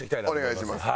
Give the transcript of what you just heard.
お願いします。